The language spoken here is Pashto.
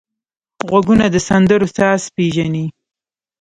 غوږونه د سندرو ساز پېژني